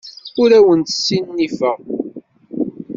Ur awent-ssinifeɣ.